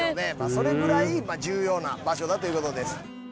それぐらい重要な場所だということです。